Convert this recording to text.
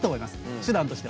手段として。